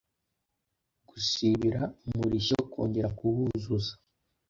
Gusibira umurishyo Kongera kuwuvuza